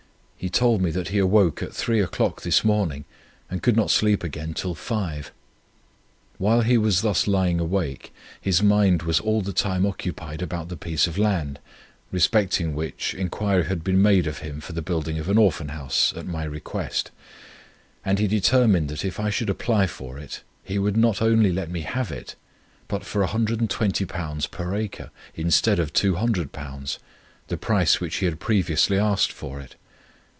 He told me that he awoke at three o'clock this morning and could not sleep again till five. While he was thus lying awake, his mind was all the time occupied about the piece of land, respecting which inquiry had been made of him for the building of an Orphan House, at my request; and he determined that if I should apply for it, he would not only let me have it, but for £120 per acre, instead of £200; the price which he had previously asked for it.